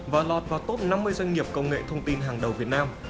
và lọt vào top năm mươi doanh nghiệp công nghệ thông tin hàng đầu việt nam